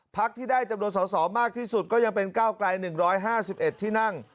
ที่ได้จำนวนสอสอมากที่สุดก็ยังเป็นก้าวไกล๑๕๑ที่นั่ง